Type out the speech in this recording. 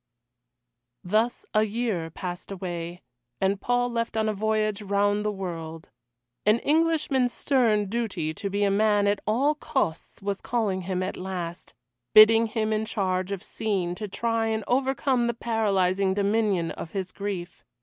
Thus a year passed away, and Paul left on a voyage round the world. An Englishman's stern duty to be a man at all costs was calling him at last bidding him in change of scene to try and overcome the paralysing dominion of his grief.